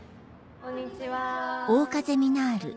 こんにちは。